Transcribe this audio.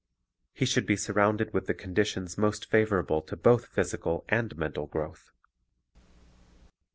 He should be surrounded with the conditions most favorable to both physical and mental growth.